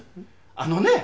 あのね